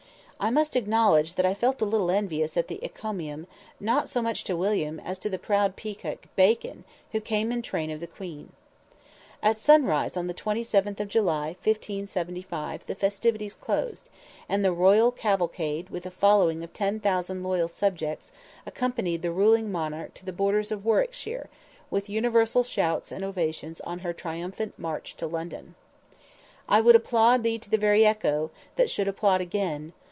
I must acknowledge that I felt a little envious at the encomium, not so much to William, as to the proud peacock, Bacon, who came in the train of the Queen. At sunrise of the 27th of July, 1575, the festivities closed, and the royal cavalcade with a following of ten thousand loyal subjects, accompanied the ruling monarch to the borders of Warwickshire, with universal shouts and ovations on her triumphal march to London. _"I would applaud thee to the very echo, That should applaud again."